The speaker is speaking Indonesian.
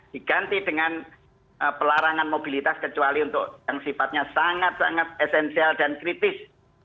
diganti dengan pelarangan mobilitas kecuali untuk yang sifatnya sangat sangat esensial dan kritis